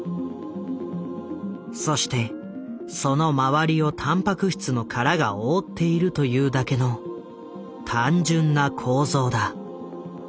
そしてその周りをタンパク質の殻が覆っているというだけの単純な構造だ。